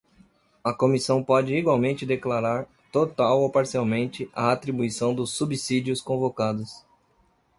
A comissão pode igualmente declarar, total ou parcialmente, a atribuição dos subsídios convocados.